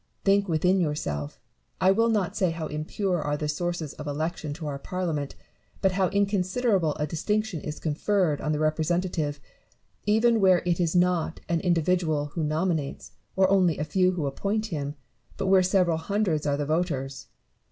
Think within yourself, I will not say how impure are the sources of election to our Parliament, but how in considerable a distinction is conferred on the representative, even where it is not an individual who nominates, or only a few who appoint him, but where several hundreds are the voters.